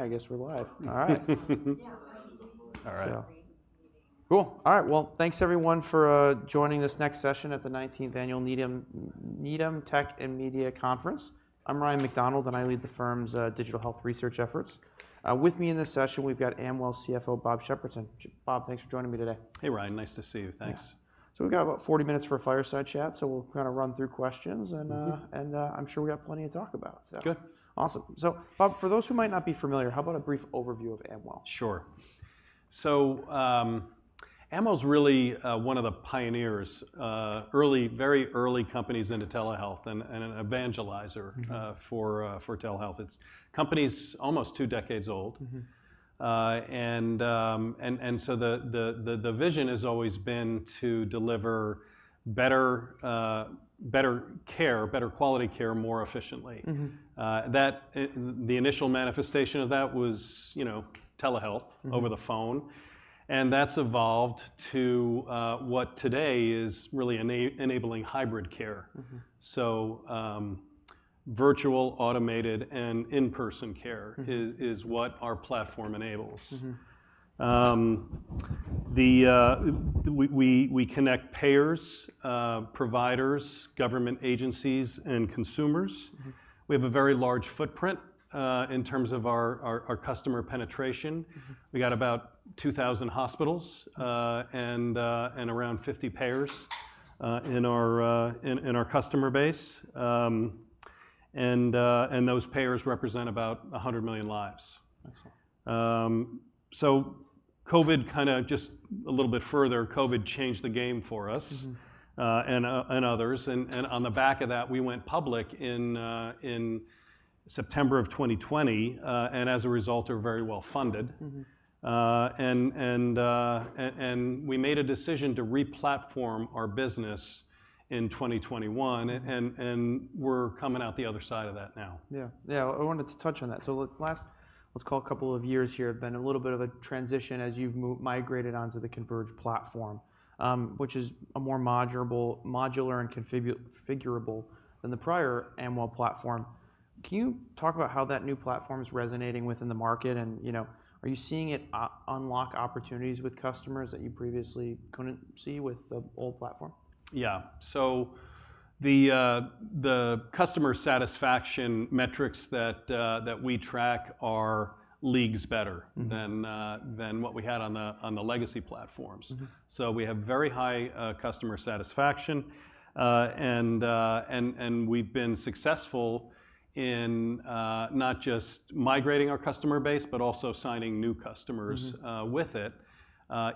I guess we're live. All right. Yeah. All right. Cool. All right. Well, thanks everyone for joining this next session at the 19th Annual Needham Tech and Media Conference. I'm Ryan MacDonald, and I lead the firm's Digital Health Research efforts. With me in this session, we've got Amwell CFO Bob Shepardson. Bob, thanks for joining me today. Hey, Ryan. Nice to see you. Thanks. We've got about 40 minutes for a Fireside Chat. We'll kind of run through questions, and I'm sure we got plenty to talk about. Good. Awesome. So Bob, for those who might not be familiar, how about a brief overview of Amwell? Sure. So Amwell's really one of the pioneers, very early companies into telehealth and an evangelizer for telehealth. It's a company that's almost two decades old. So the vision has always been to deliver better care, better quality care, more efficiently. The initial manifestation of that was telehealth over the phone. And that's evolved to what today is really enabling hybrid care. So virtual, automated, and in-person care is what our platform enables. We connect payers, providers, government agencies, and consumers. We have a very large footprint in terms of our customer penetration. We've got about 2,000 hospitals and around 50 payers in our customer base. And those payers represent about 100 million lives. Excellent. So COVID, kind of just a little bit further, COVID changed the game for us and others. On the back of that, we went public in September of 2020. As a result, we're very well funded. We made a decision to re-platform our business in 2021. We're coming out the other side of that now. Yeah. Yeah. I wanted to touch on that. So let's call a couple of years here have been a little bit of a transition as you've migrated onto the Converge platform, which is more modular and configurable than the prior Amwell platform. Can you talk about how that new platform is resonating within the market? And are you seeing it unlock opportunities with customers that you previously couldn't see with the old platform? Yeah. So the customer satisfaction metrics that we track are leagues better than what we had on the legacy platforms. So we have very high customer satisfaction. And we've been successful in not just migrating our customer base, but also signing new customers with it,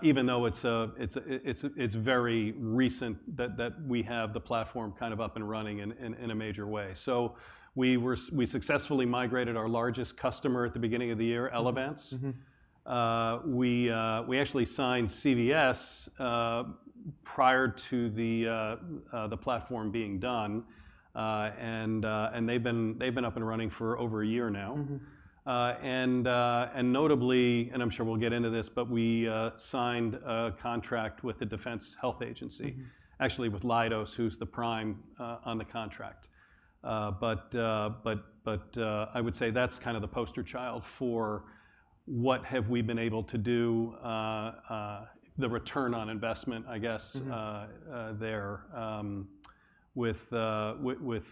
even though it's very recent that we have the platform kind of up and running in a major way. So we successfully migrated our largest customer at the beginning of the year, Elevance. We actually signed CVS prior to the platform being done. And they've been up and running for over a year now. And notably, and I'm sure we'll get into this, but we signed a contract with the Defense Health Agency, actually with Leidos, who's the prime on the contract. But I would say that's kind of the poster child for what have we been able to do, the return on investment, I guess, there with the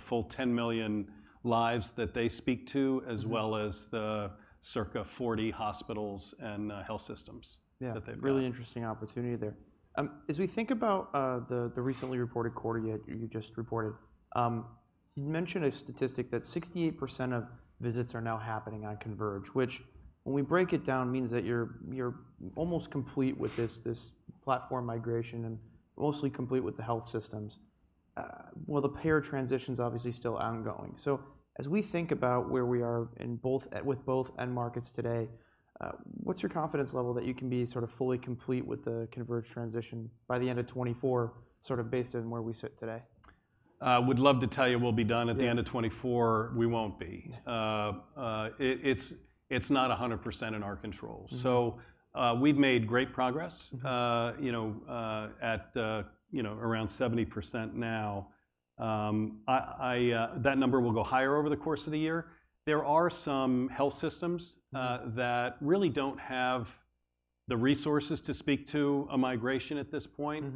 full 10 million lives that they speak to, as well as the circa 40 hospitals and health systems that they've built. Yeah. Really interesting opportunity there. As we think about the recently reported quarter that you just reported, you mentioned a statistic that 68% of visits are now happening on Converge, which when we break it down means that you're almost complete with this platform migration and mostly complete with the health systems. Well, the payer transition is obviously still ongoing. So as we think about where we are with both end markets today, what's your confidence level that you can be sort of fully complete with the Converge transition by the end of 2024, sort of based on where we sit today? I would love to tell you we'll be done. At the end of 2024, we won't be. It's not 100% in our control. So we've made great progress at around 70% now. That number will go higher over the course of the year. There are some health systems that really don't have the resources to speak to a migration at this point.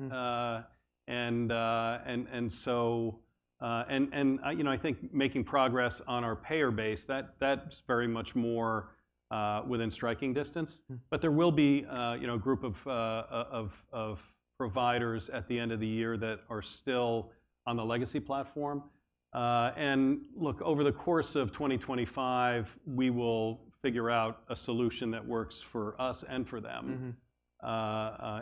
And I think making progress on our payer base, that's very much more within striking distance. But there will be a group of providers at the end of the year that are still on the legacy platform. And look, over the course of 2025, we will figure out a solution that works for us and for them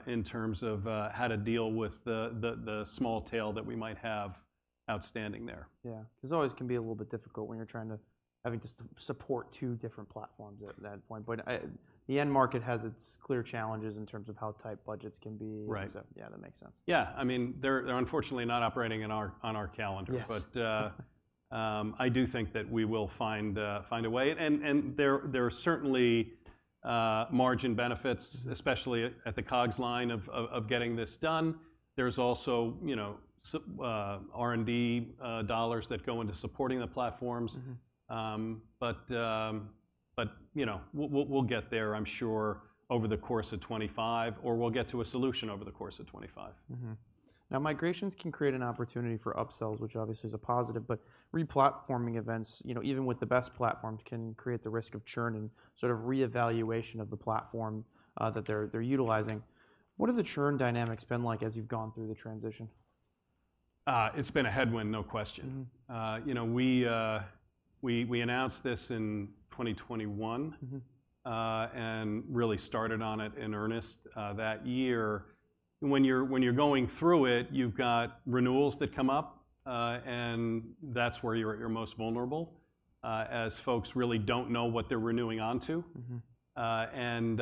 in terms of how to deal with the small tail that we might have outstanding there. Yeah. Because it always can be a little bit difficult when you're having to support two different platforms at that point. But the end market has its clear challenges in terms of how tight budgets can be. So yeah, that makes sense. Yeah. I mean, they're unfortunately not operating on our calendar. But I do think that we will find a way. And there are certainly margin benefits, especially at the COGS line of getting this done. There's also R&D dollars that go into supporting the platforms. But we'll get there, I'm sure, over the course of 2025. Or we'll get to a solution over the course of 2025. Now, migrations can create an opportunity for upsells, which obviously is a positive. But re-platforming events, even with the best platforms, can create the risk of churn and sort of reevaluation of the platform that they're utilizing. What have the churn dynamics been like as you've gone through the transition? It's been a headwind, no question. We announced this in 2021 and really started on it in earnest that year. And when you're going through it, you've got renewals that come up. And that's where you're most vulnerable, as folks really don't know what they're renewing onto and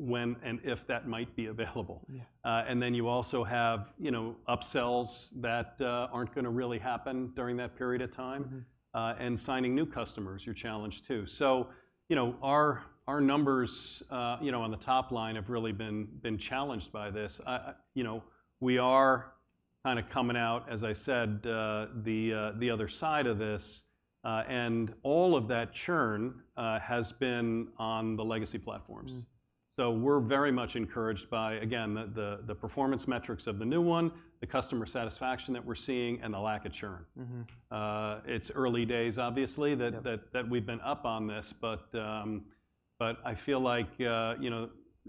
when and if that might be available. And then you also have upsells that aren't going to really happen during that period of time. And signing new customers is your challenge, too. So our numbers on the top line have really been challenged by this. We are kind of coming out, as I said, the other side of this. And all of that churn has been on the legacy platforms. So we're very much encouraged by, again, the performance metrics of the new one, the customer satisfaction that we're seeing, and the lack of churn. It's early days, obviously, that we've been up on this. But I feel like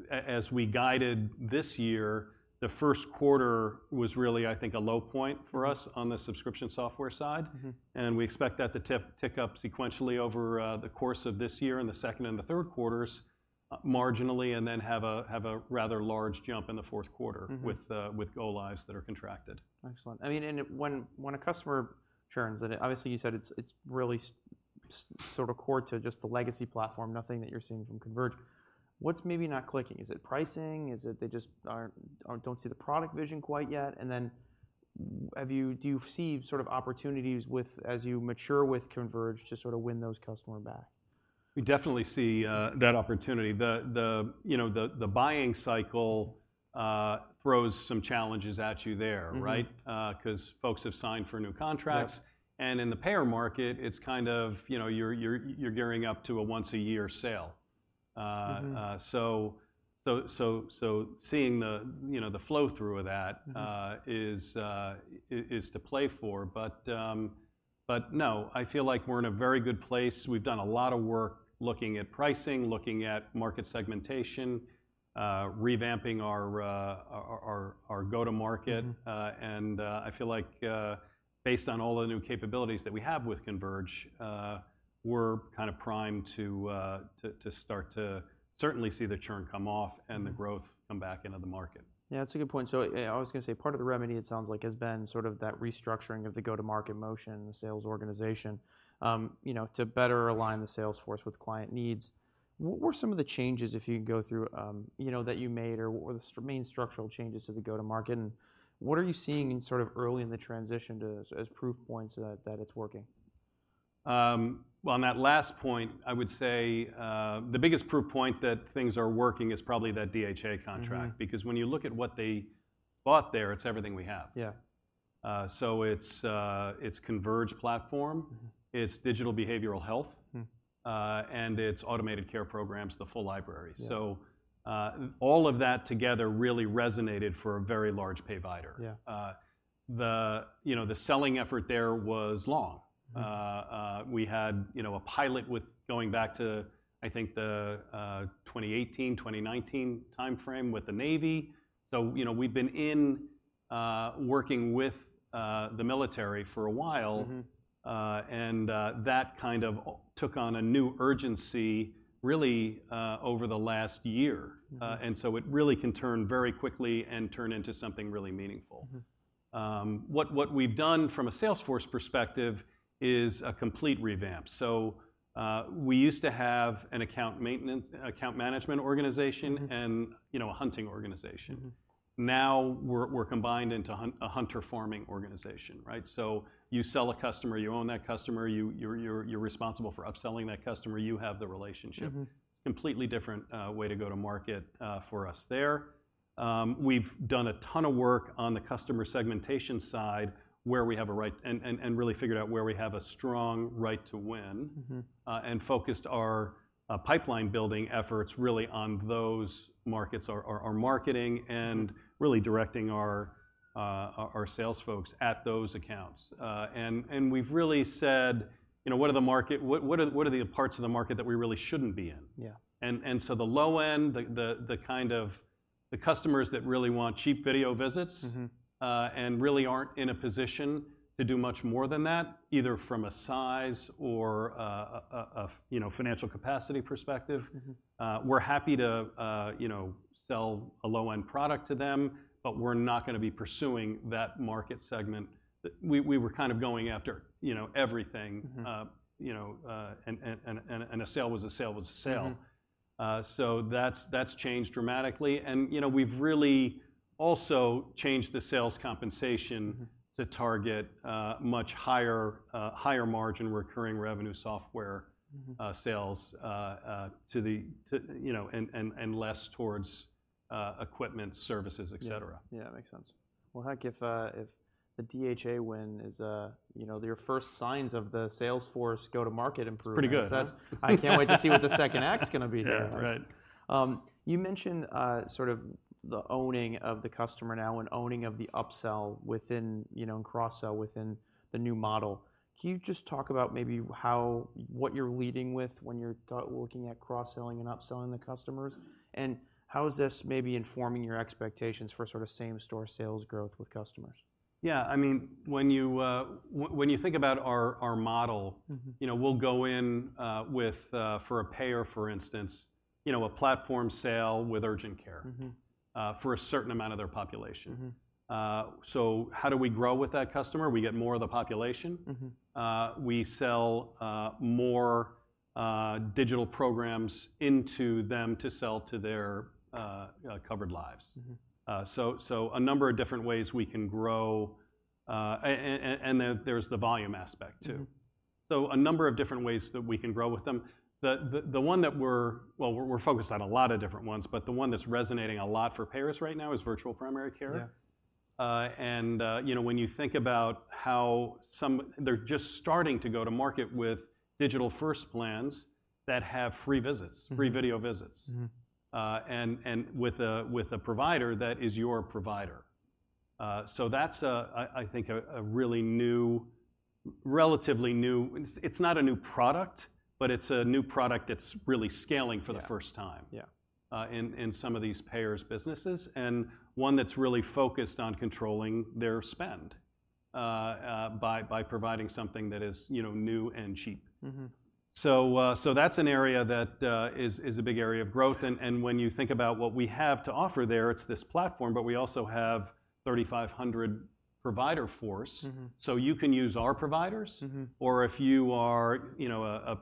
as we guided this year, the first quarter was really, I think, a low point for us on the subscription software side. And we expect that to tick up sequentially over the course of this year in the second and the third quarters, marginally, and then have a rather large jump in the fourth quarter with go-lives that are contracted. Excellent. I mean, and when a customer churns, obviously, you said it's really sort of core to just the legacy platform, nothing that you're seeing from Converge. What's maybe not clicking? Is it pricing? Is it they just don't see the product vision quite yet? And then do you see sort of opportunities as you mature with Converge to sort of win those customers back? We definitely see that opportunity. The buying cycle throws some challenges at you there, right? Because folks have signed for new contracts. In the payer market, it's kind of you're gearing up to a once-a-year sale. So seeing the flow through of that is to play for. But no, I feel like we're in a very good place. We've done a lot of work looking at pricing, looking at market segmentation, revamping our go-to-market. And I feel like based on all the new capabilities that we have with Converge, we're kind of primed to start to certainly see the churn come off and the growth come back into the market. Yeah. That's a good point. So I was going to say part of the remedy, it sounds like, has been sort of that restructuring of the go-to-market motion, the sales organization, to better align the sales force with client needs. What were some of the changes, if you can go through, that you made? Or what were the main structural changes to the go-to-market? And what are you seeing sort of early in the transition as proof points that it's working? Well, on that last point, I would say the biggest proof point that things are working is probably that DHA contract. Because when you look at what they bought there, it's everything we have. So it's Converge platform. It's digital behavioral health. And it's automated care programs, the full library. So all of that together really resonated for a very large payvider. The selling effort there was long. We had a pilot going back to, I think, the 2018, 2019 time frame with the Navy. So we've been working with the military for a while. And that kind of took on a new urgency really over the last year. And so it really can turn very quickly and turn into something really meaningful. What we've done from a sales force perspective is a complete revamp. So we used to have an account management organization and a hunting organization. Now we're combined into a hunter-farming organization, right? So you sell a customer. You own that customer. You're responsible for upselling that customer. You have the relationship. It's a completely different way to go to market for us there. We've done a ton of work on the customer segmentation side where we have a right and really figured out where we have a strong right to win and focused our pipeline building efforts really on those markets, our marketing, and really directing our sales folks at those accounts. And we've really said, what are the parts of the market that we really shouldn't be in? And so the low end, the customers that really want cheap video visits and really aren't in a position to do much more than that, either from a size or a financial capacity perspective, we're happy to sell a low-end product to them. But we're not going to be pursuing that market segment. We were kind of going after everything. And a sale was a sale was a sale. So that's changed dramatically. And we've really also changed the sales compensation to target much higher margin recurring revenue software sales and less towards equipment, services, et cetera. Yeah. That makes sense. Well, Hank, if the DHA win is your first signs of the sales force go-to-market improvement, I can't wait to see what the second act's going to be here. You mentioned sort of the owning of the customer now and owning of the upsell and cross-sell within the new model. Can you just talk about maybe what you're leading with when you're looking at cross-selling and upselling the customers? And how is this maybe informing your expectations for sort of same-store sales growth with customers? Yeah. I mean, when you think about our model, we'll go in with, for a payer, for instance, a platform sale with urgent care for a certain amount of their population. So how do we grow with that customer? We get more of the population. We sell more digital programs into them to sell to their covered lives. So a number of different ways we can grow. And there's the volume aspect, too. So a number of different ways that we can grow with them. The one that we're well, we're focused on a lot of different ones. But the one that's resonating a lot for payers right now is Virtual Primary Care. And when you think about how they're just starting to go to market with digital-first plans that have free visits, free video visits, and with a provider that is your provider. So that's, I think, a relatively new. It's not a new product. But it's a new product that's really scaling for the first time in some of these payers' businesses and one that's really focused on controlling their spend by providing something that is new and cheap. So that's an area that is a big area of growth. And when you think about what we have to offer there, it's this platform. But we also have 3,500 provider force. So you can use our providers. Or if you are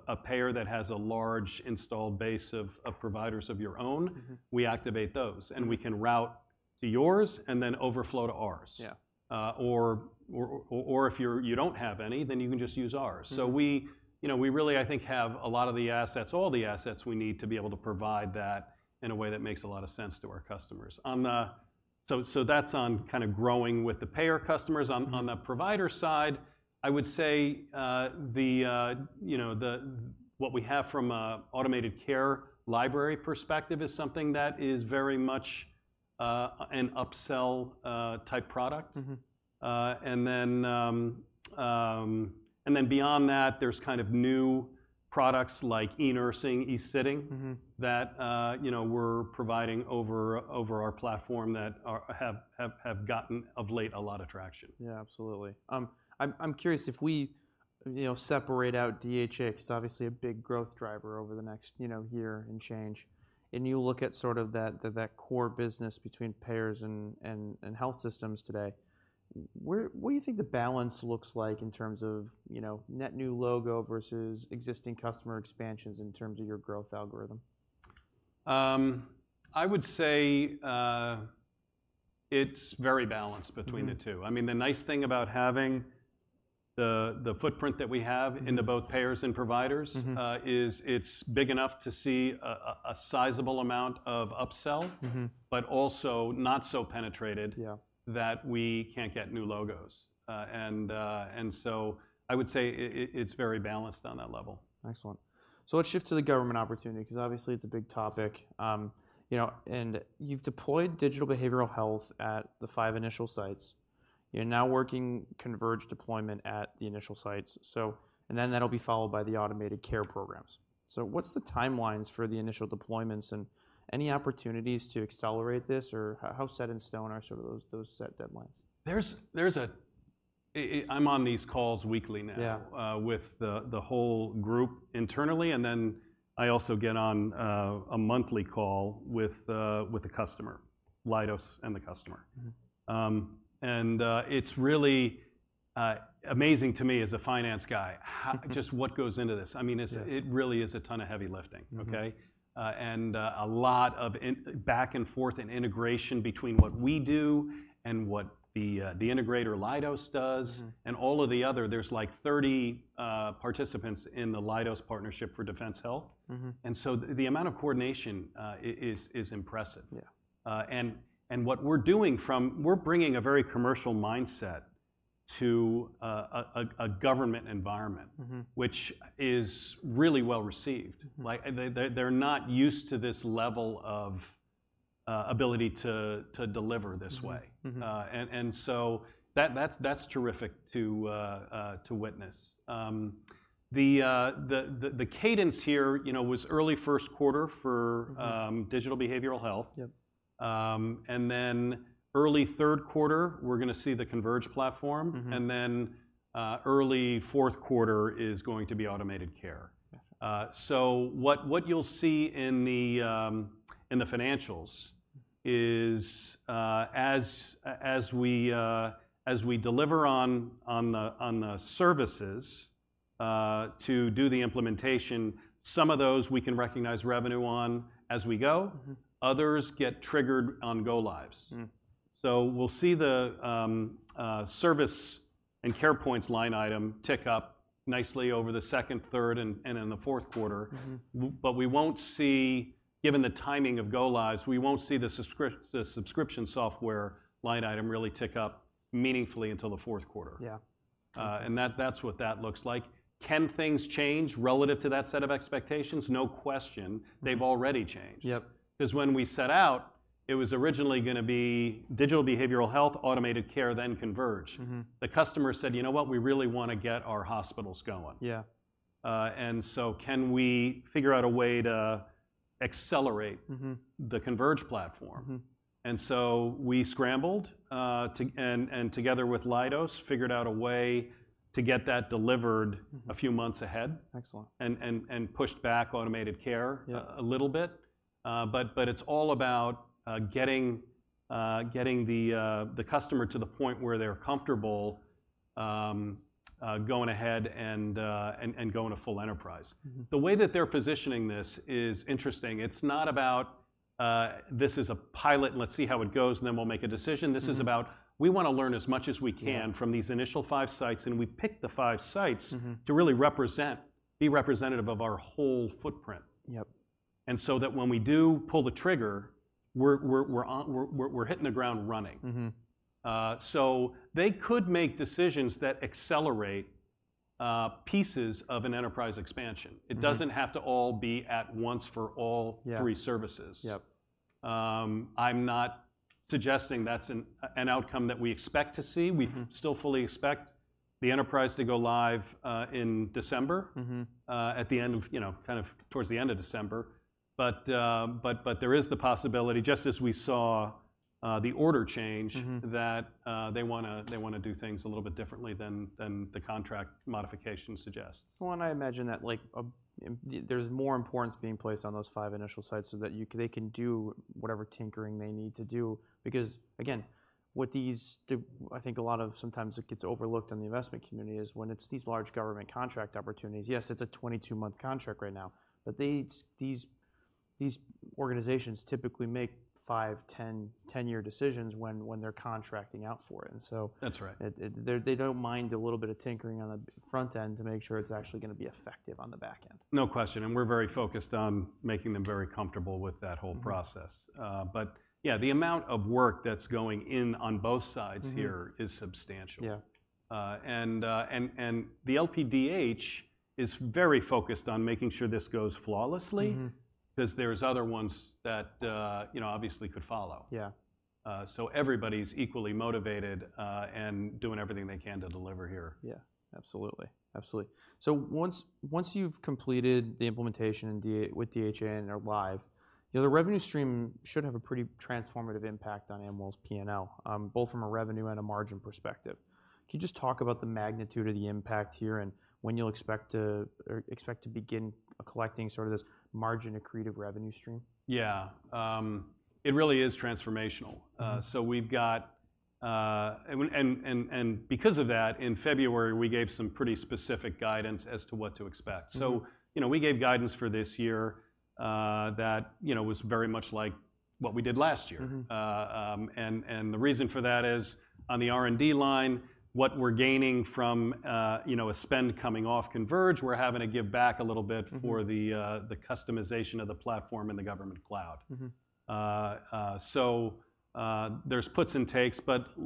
a payer that has a large installed base of providers of your own, we activate those. And we can route to yours and then overflow to ours. Or if you don't have any, then you can just use ours. So we really, I think, have a lot of the assets, all the assets we need to be able to provide that in a way that makes a lot of sense to our customers. So that's on kind of growing with the payer customers. On the provider side, I would say what we have from an automated care library perspective is something that is very much an upsell-type product. And then beyond that, there's kind of new products like e-nursing, e-sitting that we're providing over our platform that have gotten of late a lot of traction. Yeah. Absolutely. I'm curious if we separate out DHA because it's obviously a big growth driver over the next year and change. You look at sort of that core business between payers and health systems today, what do you think the balance looks like in terms of net new logo vs existing customer expansions in terms of your growth algorithm? I would say it's very balanced between the two. I mean, the nice thing about having the footprint that we have into both payers and providers is it's big enough to see a sizable amount of upsell but also not so penetrated that we can't get new logos. And so I would say it's very balanced on that level. Excellent. So let's shift to the government opportunity. Because obviously, it's a big topic. And you've deployed Digital Behavioral Health at the five initial sites. You're now working Converge deployment at the initial sites. And then that'll be followed by the Automated Care programs. So what's the timelines for the initial deployments? And any opportunities to accelerate this? Or how set in stone are sort of those set deadlines? I'm on these calls weekly now with the whole group internally. And then I also get on a monthly call with the customer, Leidos and the customer. And it's really amazing to me as a finance guy, just what goes into this. I mean, it really is a ton of heavy lifting, OK? And a lot of back and forth and integration between what we do and what the integrator Leidos does. And all of the other, there's like 30 participants in the Leidos Partnership for Defense Health. And so the amount of coordination is impressive. And what we're doing from we're bringing a very commercial mindset to a government environment, which is really well received. They're not used to this level of ability to deliver this way. And so that's terrific to witness. The cadence here was early first quarter for digital behavioral health. And then early third quarter, we're going to see the Converge platform. And then early fourth quarter is going to be Automated Care. So what you'll see in the financials is as we deliver on the services to do the implementation, some of those we can recognize revenue on as we go. Others get triggered on go-lives. So we'll see the Services and CarePoints line item tick up nicely over the second, third, and fourth quarters. But we won't see, given the timing of go-lives, the subscription software line item really tick up meaningfully until the fourth quarter. And that's what that looks like. Can things change relative to that set of expectations? No question. They've already changed. Because when we set out, it was originally going to be Digital Behavioral Health, Automated Care, then Converge. The customer said, you know what? We really want to get our hospitals going. So can we figure out a way to accelerate the Converge platform? So we scrambled and, together with Leidos, figured out a way to get that delivered a few months ahead and pushed back automated care a little bit. But it's all about getting the customer to the point where they're comfortable going ahead and going to full enterprise. The way that they're positioning this is interesting. It's not about, this is a pilot. Let's see how it goes. Then we'll make a decision. This is about, we want to learn as much as we can from these initial five sites. We pick the five sites to really be representative of our whole footprint. So that when we do pull the trigger, we're hitting the ground running. So they could make decisions that accelerate pieces of an enterprise expansion. It doesn't have to all be at once for all three services. I'm not suggesting that's an outcome that we expect to see. We still fully expect the enterprise to go live in December, at the end of kind of towards the end of December. But there is the possibility, just as we saw the order change, that they want to do things a little bit differently than the contract modification suggests. Well, and I imagine that there's more importance being placed on those five initial sites so that they can do whatever tinkering they need to do. Because, again, what these I think a lot of sometimes it gets overlooked in the investment community is when it's these large government contract opportunities, yes, it's a 22-month contract right now. But these organizations typically make five- and ten-year decisions when they're contracting out for it. And so they don't mind a little bit of tinkering on the front end to make sure it's actually going to be effective on the back end. No question. And we're very focused on making them very comfortable with that whole process. But yeah, the amount of work that's going in on both sides here is substantial. And the LPDH is very focused on making sure this goes flawlessly. Because there's other ones that obviously could follow. So everybody's equally motivated and doing everything they can to deliver here. Yeah. Absolutely. Absolutely. So once you've completed the implementation with DHA and are live, the revenue stream should have a pretty transformative impact on Amwell's P&L, both from a revenue and a margin perspective. Can you just talk about the magnitude of the impact here and when you'll expect to begin collecting sort of this margin accretive revenue stream? Yeah. It really is transformational. Because of that, in February, we gave some pretty specific guidance as to what to expect. We gave guidance for this year that was very much like what we did last year. The reason for that is, on the R&D line, what we're gaining from a spend coming off Converge, we're having to give back a little bit for the customization of the platform in the government cloud. There's puts and takes.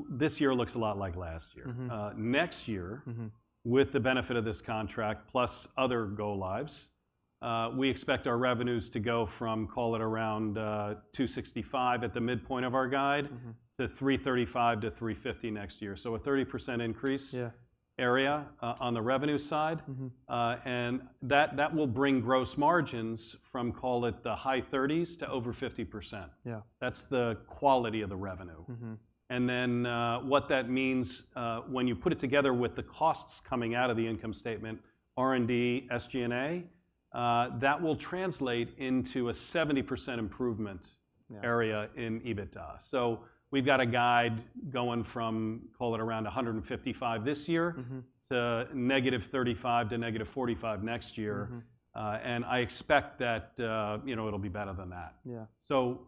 This year looks a lot like last year. Next year, with the benefit of this contract plus other go-lives, we expect our revenues to go from, call it, around $265 at the midpoint of our guide to $335-$350 next year. A 30% increase area on the revenue side. That will bring gross margins from, call it, the high 30s to over 50%. That's the quality of the revenue. And then what that means when you put it together with the costs coming out of the income statement, R&D, SG&A, that will translate into a 70% improvement area in EBITDA. So we've got a guide going from, call it, around $155 this year to -35 to -45 next year. And I expect that it'll be better than that. So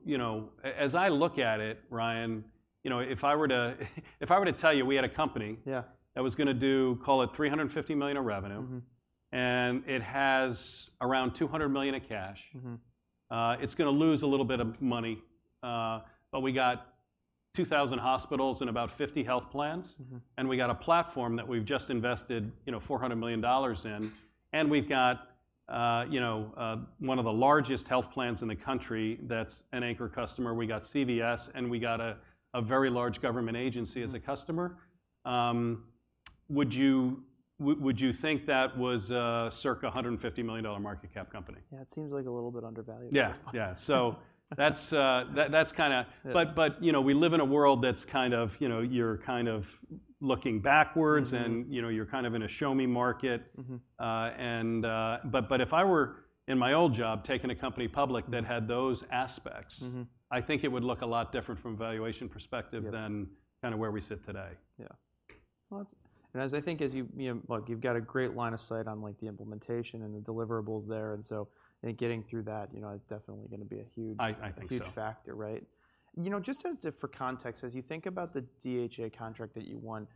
as I look at it, Ryan, if I were to tell you we had a company that was going to do, call it, $350 million of revenue. And it has around $200 million of cash. It's going to lose a little bit of money. But we got 2,000 hospitals and about 50 health plans. And we got a platform that we've just invested $400 million in. And we've got one of the largest health plans in the country that's an anchor customer. We got CVS. We got a very large government agency as a customer. Would you think that was a circa $150 million market cap company? Yeah. It seems like a little bit undervalued. Yeah. Yeah. But we live in a world that's kind of, you're kind of looking backwards. You're kind of in a show-me market. But if I were, in my old job, taking a company public that had those aspects, I think it would look a lot different from a valuation perspective than kind of where we sit today. Yeah. And as I think, look, you've got a great line of sight on the implementation and the deliverables there. And so I think getting through that is definitely going to be a huge factor, right? Just for context, as you think about the DHA contract that you won,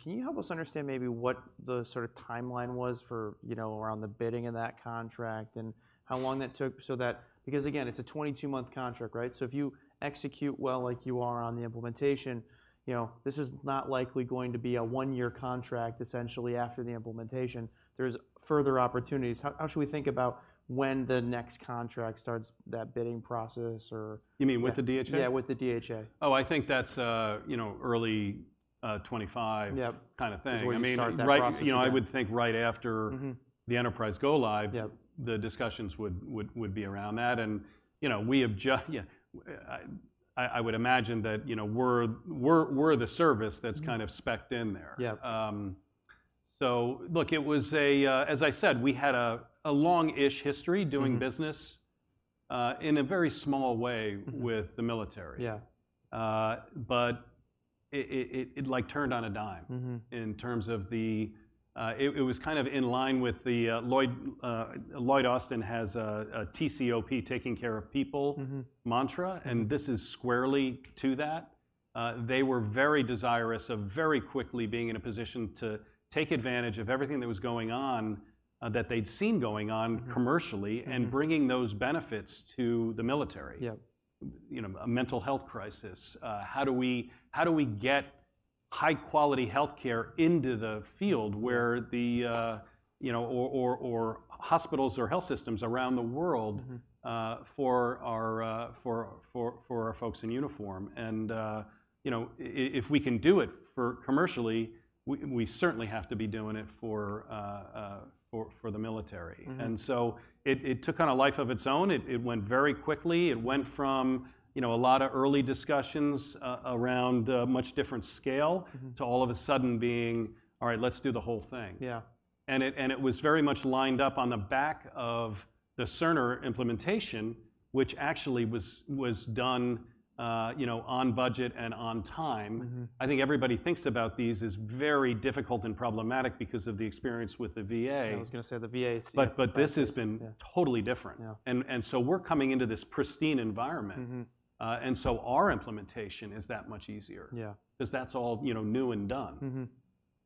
can you help us understand maybe what the sort of timeline was around the bidding in that contract and how long that took? Because, again, it's a 22-month contract, right? So if you execute well like you are on the implementation, this is not likely going to be a one-year contract, essentially, after the implementation. There's further opportunities. How should we think about when the next contract starts that bidding process or? You mean with the DHA? Yeah. With the DHA. Oh, I think that's early 2025 kind of thing. I would think right after the enterprise go live, the discussions would be around that. And I would imagine that we're the service that's kind of specked in there. So look, as I said, we had a long-ish history doing business in a very small way with the military. But it turned on a dime in terms of the it was kind of in line with the Lloyd Austin has a TCOP, taking care of people, mantra. And this is squarely to that. They were very desirous of very quickly being in a position to take advantage of everything that was going on that they'd seen going on commercially and bringing those benefits to the military. A mental health crisis. How do we get high-quality health care into the field or hospitals or health systems around the world for our folks in uniform? And if we can do it commercially, we certainly have to be doing it for the military. And so it took on a life of its own. It went very quickly. It went from a lot of early discussions around much different scale to all of a sudden being, all right, let's do the whole thing. And it was very much lined up on the back of the Cerner implementation, which actually was done on budget and on time. I think everybody thinks about these as very difficult and problematic because of the experience with the VA. I was going to say the VA. But this has been totally different. And so we're coming into this pristine environment. And so our implementation is that much easier. Because that's all new and done.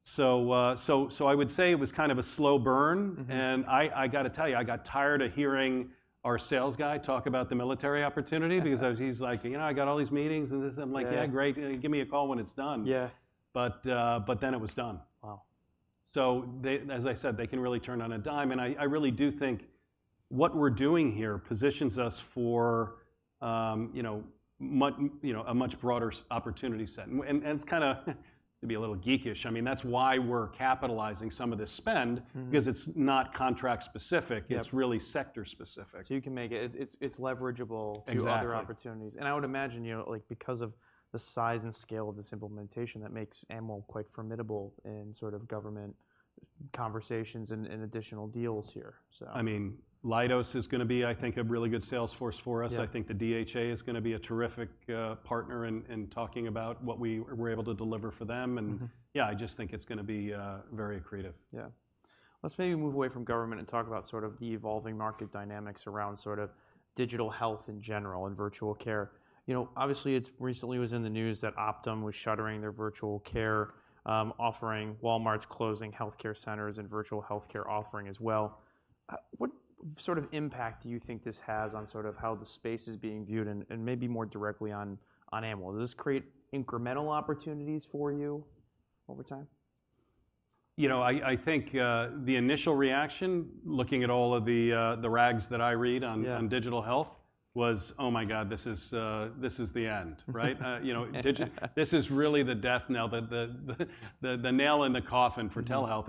So I would say it was kind of a slow burn. And I got to tell you, I got tired of hearing our sales guy talk about the military opportunity. Because he's like, you know I got all these meetings. And I'm like, yeah, great. Give me a call when it's done. But then it was done. Wow. So as I said, they can really turn on a dime. And I really do think what we're doing here positions us for a much broader opportunity set. And it's kind of to be a little geekish, I mean, that's why we're capitalizing some of this spend. Because it's not contract specific. It's really sector specific. You can make it. It's leverageable to other opportunities. I would imagine, because of the size and scale of this implementation, that makes Amwell quite formidable in sort of government conversations and additional deals here. I mean, Leidos is going to be, I think, a really good sales force for us. I think the DHA is going to be a terrific partner in talking about what we were able to deliver for them. And yeah, I just think it's going to be very accretive. Yeah. Let's maybe move away from government and talk about sort of the evolving market dynamics around sort of digital health in general and Virtual Care. Obviously, it recently was in the news that Optum was shuttering their Virtual Care offering, Walmart's closing health care centers, and virtual health care offering as well. What sort of impact do you think this has on sort of how the space is being viewed and maybe more directly on Amwell? Does this create incremental opportunities for you over time? You know. I think the initial reaction, looking at all of the rags that I read on digital health, was, oh my god, this is the end, right? This is really the death knell, the nail in the coffin for telehealth.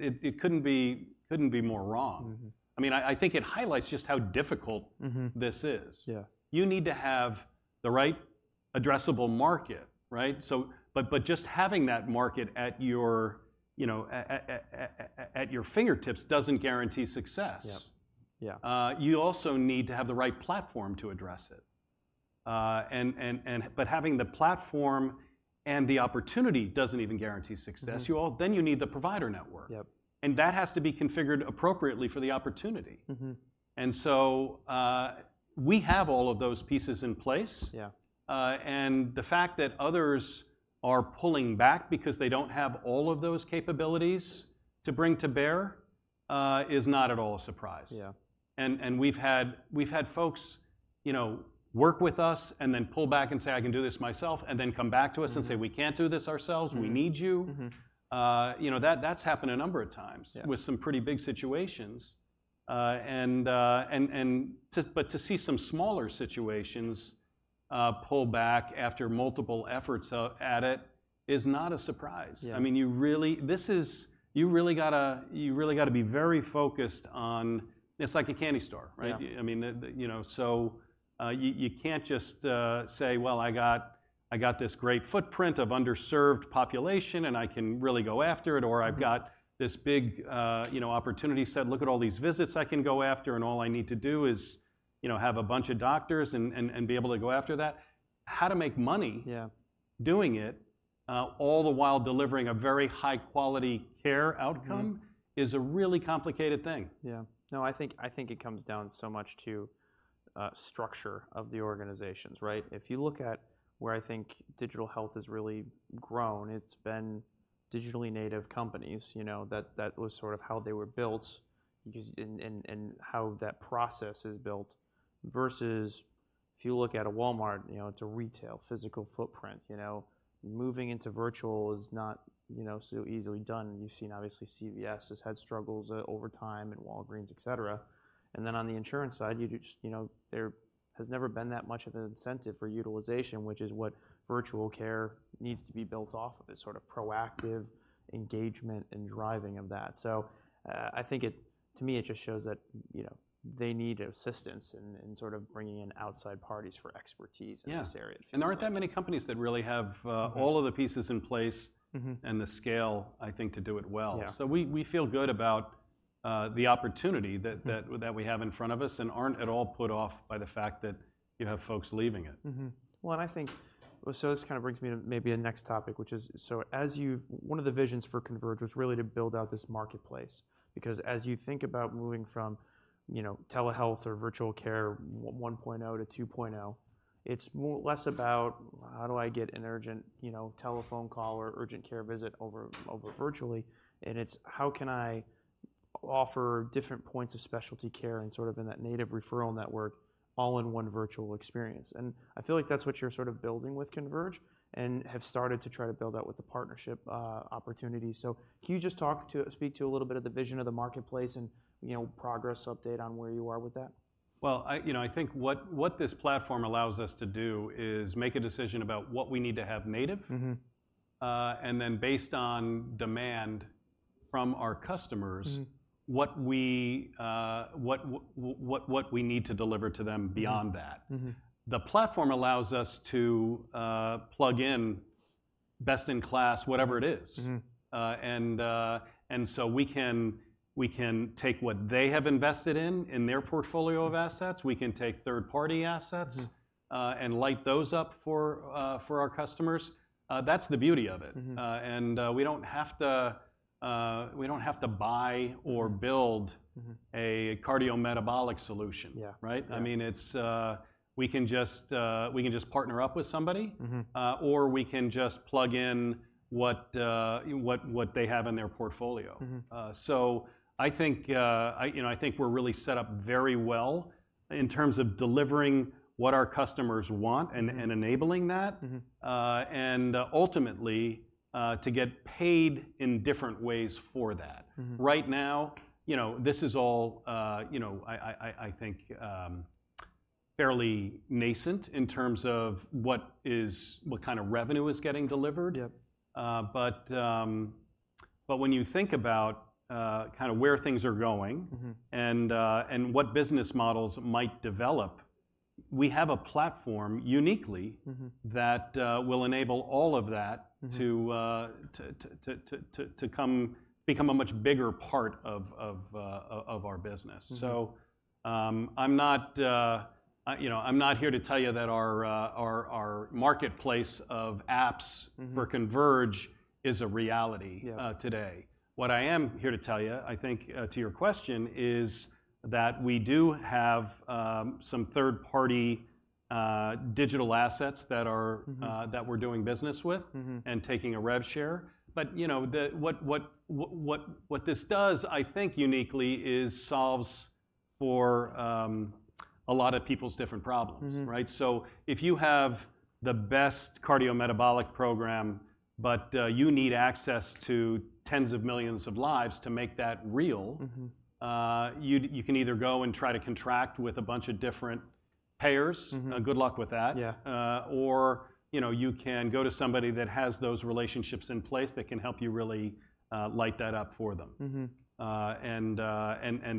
It couldn't be more wrong. I mean, I think it highlights just how difficult this is. You need to have the right addressable market, right? But just having that market at your fingertips doesn't guarantee success. You also need to have the right platform to address it. But having the platform and the opportunity doesn't even guarantee success. Then you need the provider network. That has to be configured appropriately for the opportunity. So we have all of those pieces in place. The fact that others are pulling back because they don't have all of those capabilities to bring to bear is not at all a surprise. And we've had folks work with us and then pull back and say, I can do this myself, and then come back to us and say, we can't do this ourselves. We need you. That's happened a number of times with some pretty big situations. But to see some smaller situations pull back after multiple efforts at it is not a surprise. I mean, you really got to be very focused on. It's like a candy store, right? So you can't just say, well, I got this great footprint of underserved population. And I can really go after it. Or I've got this big opportunity set. Look at all these visits I can go after. And all I need to do is have a bunch of doctors and be able to go after that. How to make money doing it all the while delivering a very high-quality care outcome is a really complicated thing. Yeah. No, I think it comes down so much to structure of the organizations, right? If you look at where I think digital health has really grown, it's been digitally native companies. That was sort of how they were built and how that process is built. vs if you look at a Walmart, it's a retail, physical footprint. Moving into virtual is not so easily done. You've seen, obviously, CVS has had struggles over time and Walgreens, et cetera. And then on the insurance side, there has never been that much of an incentive for utilization, which is what Virtual Care needs to be built off of, this sort of proactive engagement and driving of that. So to me, it just shows that they need assistance in sort of bringing in outside parties for expertise in this area. There aren't that many companies that really have all of the pieces in place and the scale, I think, to do it well. So we feel good about the opportunity that we have in front of us and aren't at all put off by the fact that you have folks leaving it. Well, and I think so this kind of brings me to maybe a next topic, which is so one of the visions for Converge was really to build out this marketplace. Because as you think about moving from telehealth or Virtual Care 1.0 to 2.0, it's less about, how do I get an urgent telephone call or urgent care visit over virtually? And it's, how can I offer different points of specialty care and sort of in that native referral network all in one virtual experience? And I feel like that's what you're sort of building with Converge and have started to try to build out with the partnership opportunities. So can you just speak to a little bit of the vision of the marketplace and progress update on where you are with that? Well, I think what this platform allows us to do is make a decision about what we need to have native. And then based on demand from our customers, what we need to deliver to them beyond that. The platform allows us to plug in best-in-class, whatever it is. And so we can take what they have invested in, in their portfolio of assets. We can take third-party assets and light those up for our customers. That's the beauty of it. And we don't have to buy or build a cardiometabolic solution, right? I mean, we can just partner up with somebody. Or we can just plug in what they have in their portfolio. So I think we're really set up very well in terms of delivering what our customers want and enabling that and ultimately to get paid in different ways for that. Right now, this is all, I think, fairly nascent in terms of what kind of revenue is getting delivered. But when you think about kind of where things are going and what business models might develop, we have a platform uniquely that will enable all of that to become a much bigger part of our business. So I'm not here to tell you that our marketplace of apps for Converge is a reality today. What I am here to tell you, I think, to your question is that we do have some third-party digital assets that we're doing business with and taking a rev share. But what this does, I think uniquely, is solves for a lot of people's different problems, right? So if you have the best cardiometabolic program, but you need access to 10s of millions of lives to make that real, you can either go and try to contract with a bunch of different payers. Good luck with that. Or you can go to somebody that has those relationships in place that can help you really light that up for them. And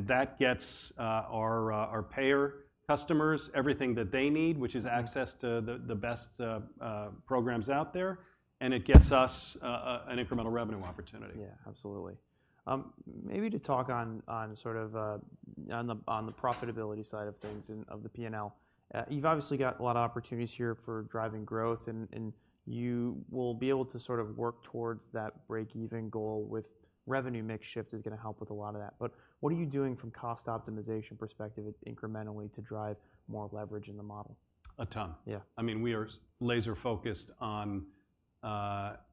that gets our payer customers everything that they need, which is access to the best programs out there. And it gets us an incremental revenue opportunity. Yeah. Absolutely. Maybe to talk on sort of the profitability side of things and of the P&L, you've obviously got a lot of opportunities here for driving growth. You will be able to sort of work towards that break-even goal with revenue mix shift is going to help with a lot of that. But what are you doing from cost optimization perspective incrementally to drive more leverage in the model? A ton. Yeah, I mean, we are laser focused on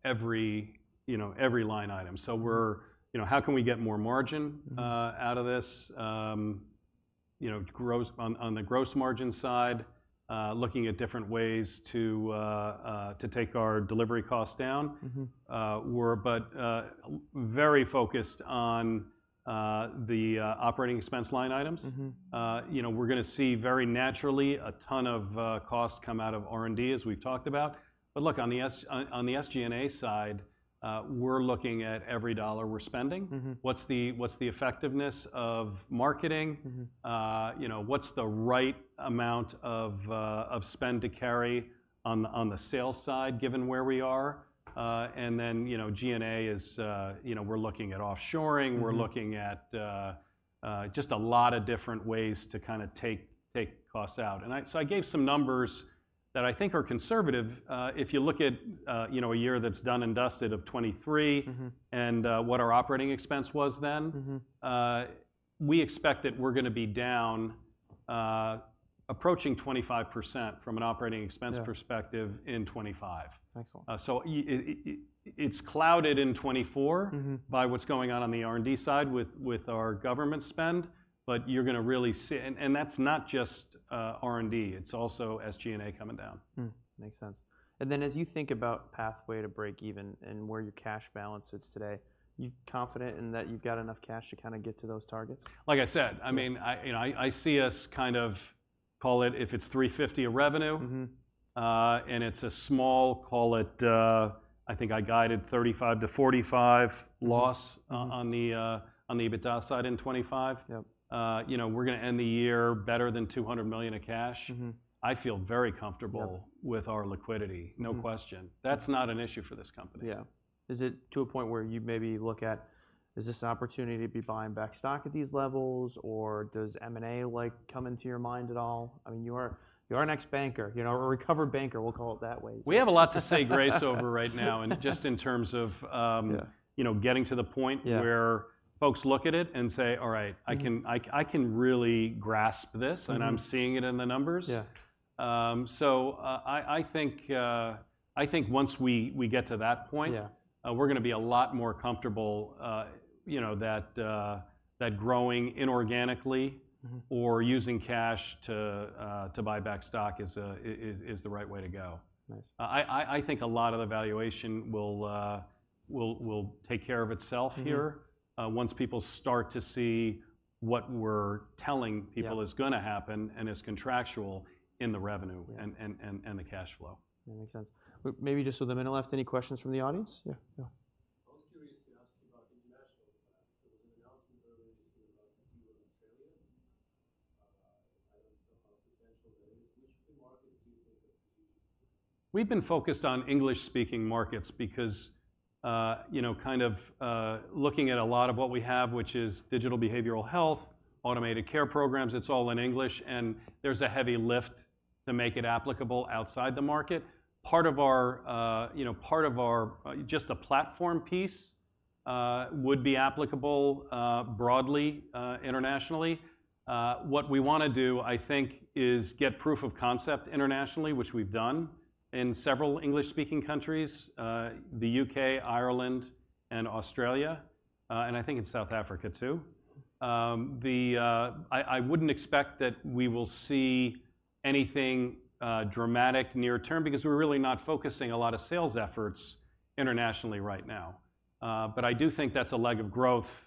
every line item. So how can we get more margin out of this on the gross margin side, looking at different ways to take our delivery costs down? But very focused on the operating expense line items. We're going to see very naturally a ton of costs come out of R&D, as we've talked about. But look, on the SG&A side, we're looking at every dollar we're spending. What's the effectiveness of marketing? What's the right amount of spend to carry on the sales side, given where we are? And then G&A is we're looking at offshoring. We're looking at just a lot of different ways to kind of take costs out. And so I gave some numbers that I think are conservative. If you look at a year that's done and dusted of 2023 and what our operating expense was then, we expect that we're going to be down approaching 25% from an operating expense perspective in 2025. So it's clouded in 2024 by what's going on on the R&D side with our government spend. But you're going to really see, and that's not just R&D. It's also SG&A coming down. Makes sense. Then as you think about pathway to break-even and where your cash balance sits today, you're confident in that you've got enough cash to kind of get to those targets? Like I said, I mean, I see us kind of call it, if it's $350 of revenue and it's a small, call it, I think I guided $35-$45 loss on the EBITDA side in 2025, we're going to end the year better than $200 million of cash. I feel very comfortable with our liquidity, no question. That's not an issue for this company. Yeah. Is it to a point where you maybe look at, is this an opportunity to be buying back stock at these levels? Or does M&A come into your mind at all? I mean, you are an ex-banker or a recovered banker. We'll call it that way. We have a lot to say grace over right now just in terms of getting to the point where folks look at it and say, all right, I can really grasp this. I'm seeing it in the numbers. I think once we get to that point, we're going to be a lot more comfortable that growing inorganically or using cash to buy back stock is the right way to go. I think a lot of the valuation will take care of itself here once people start to see what we're telling people is going to happen and is contractual in the revenue and the cash flow. That makes sense. Maybe just so the minute left, any questions from the audience? Yeah. I was curious to ask you about international finance. There was an announcement earlier yesterday about a deal in Australia. I don't know how substantial that is. Which of the markets do you think are strategically important? We've been focused on English-speaking markets because, kind of, looking at a lot of what we have, which is digital behavioral health, automated care programs, it's all in English. And there's a heavy lift to make it applicable outside the market. Part of our just the platform piece would be applicable broadly internationally. What we want to do, I think, is get proof of concept internationally, which we've done in several English-speaking countries: the U.K., Ireland, and Australia. And I think in South Africa too. I wouldn't expect that we will see anything dramatic near-term because we're really not focusing a lot of sales efforts internationally right now. But I do think that's a leg of growth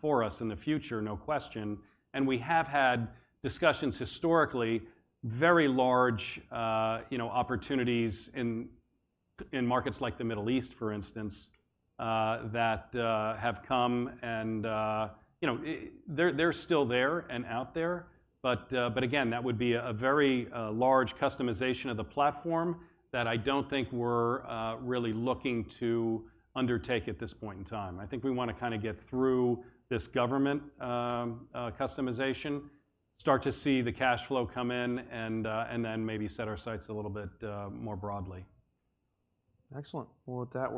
for us in the future, no question. And we have had discussions historically, very large opportunities in markets like the Middle East, for instance, that have come. They're still there and out there. But again, that would be a very large customization of the platform that I don't think we're really looking to undertake at this point in time. I think we want to kind of get through this government customization, start to see the cash flow come in, and then maybe set our sights a little bit more broadly. Excellent. Well, that.